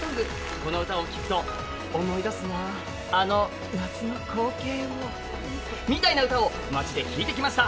この歌を聴くと思い出すな、あの夏の光景をみたいな歌を街で聞いてきました。